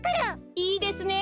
いいですね。